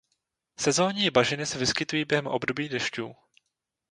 Sezónní bažiny se vyskytují během období dešťů.